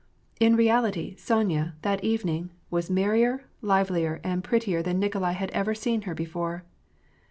In reality, Sonya, that evening, was merrier, livelier, and pret tier than Nikolai had ever seen her before.